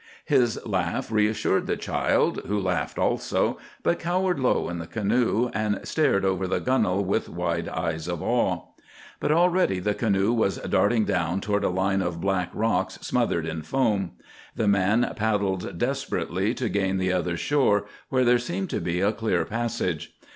His laugh reassured the child, who laughed also, but cowered low in the canoe and stared over the gunwale with wide eyes of awe. But already the canoe was darting down toward a line of black rocks smothered in foam. The man paddled desperately to gain the other shore, where there seemed to be a clear passage.